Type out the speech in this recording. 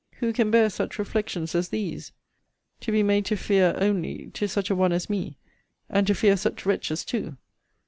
Who can bear such reflections as these? TO be made to fear only, to such a one as me, and to fear such wretches too?